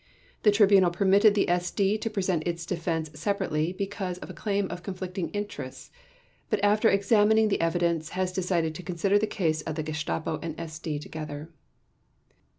The Tribunal permitted the SD to present its defense separately because of a claim of conflicting interests, but after examining the evidence has decided to consider the case of the Gestapo and SD together.